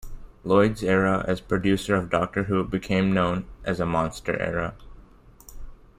Lloyd's era as producer of "Doctor Who" became known as a monster era.